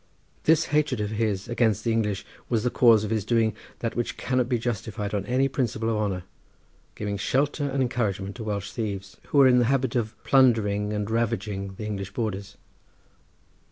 This hatred of his against the English was the cause of his doing that which cannot be justified on any principle of honour, giving shelter and encouragement to Welsh thieves who were in the habit of plundering and ravaging the English borders.